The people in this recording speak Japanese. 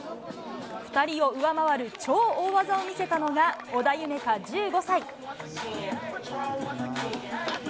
２人を上回る超大技を見せたのが、織田夢海１５歳。